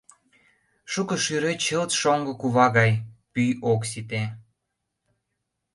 Шуко шӱре чылт шоҥго кува гай — пӱй ок сите.